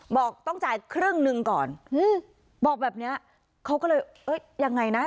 บอกต้องจ่ายครึ่งหนึ่งก่อนอืมบอกแบบเนี้ยเขาก็เลยเอ้ยยังไงนะ